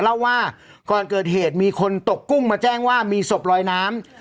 เล่าว่าก่อนเกิดเหตุมีคนตกกุ้งมาแจ้งว่ามีศพลอยน้ำ